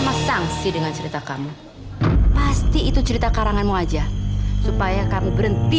sama sanksi dengan cerita kamu pasti itu cerita karanganmu aja supaya kamu berhenti